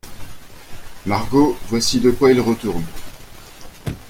Margot, voici de quoi il retourne.